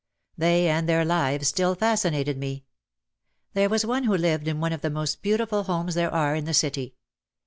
They and their lives still fascinated me. There was one who lived in one of the most beauti ful homes there are in the city.